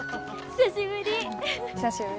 久しぶり。